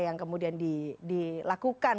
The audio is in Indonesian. yang kemudian dilakukan